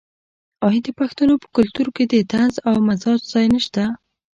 آیا د پښتنو په کلتور کې د طنز او مزاح ځای نشته؟